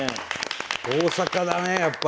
大阪だねやっぱ。